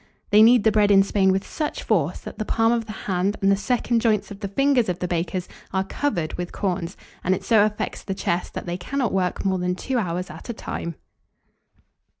They knead the bread in Spain with such force, that the palm of the hand and the second joints of the fingers of the bakers are covered with corns; and it so affects the chest, that they cannot work more than two hours at a time.